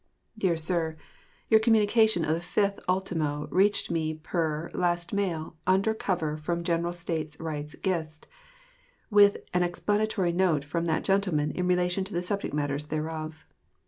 DEAR SIR: Your communication of the 5th ultimo reached me per last mail under cover from General States Rights Gist, with an explanatory note from that gentleman in relation to the subject matters thereof.